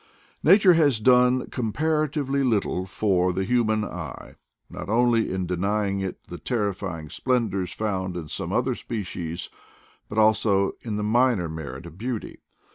Nature has done comparatively little for the human eye, not only in denying it the terrifying splendors found in some other species, but also in the minor merit of beauty.